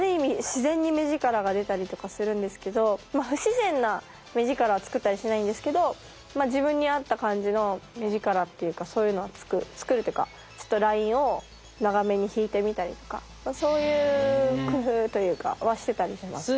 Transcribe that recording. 自然に目力が出たりとかするんですけど不自然な目力は作ったりしないんですけどまあ自分に合った感じの目力っていうかそういうのは作るっていうかそういう工夫というかはしてたりします。